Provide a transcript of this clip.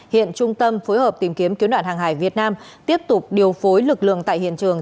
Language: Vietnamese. hiện trung tâm phối hợp tìm kiếm cứu nạn hàng hải việt nam tiếp tục điều phối lực lượng tại hiện trường